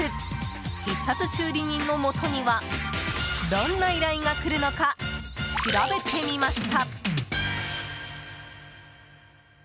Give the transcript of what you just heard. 必殺修理人のもとにはどんな依頼が来るのか調べてみました。